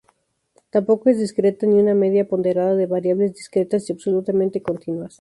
Tampoco es discreta, ni una media ponderada de variables discretas y absolutamente continuas.